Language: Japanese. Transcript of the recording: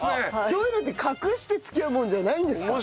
そういうのって隠して付き合うものじゃないんですか？